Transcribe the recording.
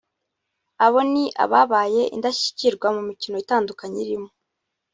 Abo ni ababaye indashyikirwa mu mikino itandukanye irimo